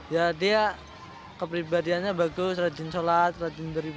ya dia kepribadiannya bagus rajin sholat rajin beribadah